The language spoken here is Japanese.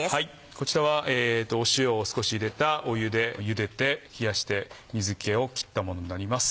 こちらは塩を少し入れた湯でゆでて冷やして水気を切ったものになります。